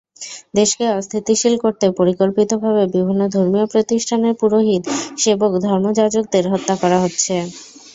দেশকে অস্থিতিশীল করতে পরিকল্পিতভাবে বিভিন্ন ধর্মীয় প্রতিষ্ঠানের পুরোহিত, সেবক, ধর্মযাজকদের হত্যা করা হচ্ছে।